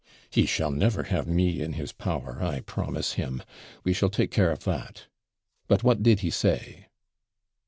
'He shall never have me in his power, I promise him. We shall take care of that. But what did he say?'